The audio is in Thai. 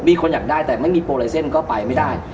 มีคนอยากได้แต่ไม่มีโปรไลเซ็นต์ก็ไปไม่ได้